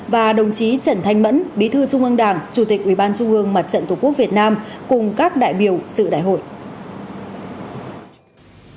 và đồng chí trần thanh mẫn bí thư trung ương đảng chủ tịch ủy ban trung ương mặt trận tổ quốc việt nam cùng các đại biểu sự đại hội